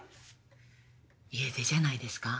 家出じゃないですか？